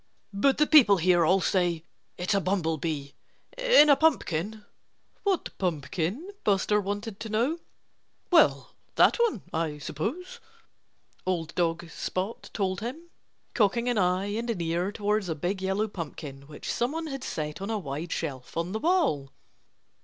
"But the people here all say it's a bumblebee in a pumpkin." "What pumpkin?" Buster wanted to know. "Well, that one I suppose," old dog Spot told him, cocking an eye and an ear towards a big yellow pumpkin, which someone had set on a wide shelf on the wall.